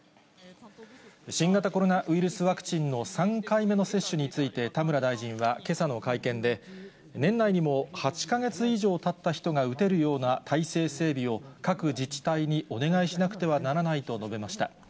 新型コロナウイルスワクチンの３回目の接種について、田村大臣はけさの会見で、年内にも８か月以上たった人が打てるような体制整備を各自治体にお願いしなくてはならないと述べました。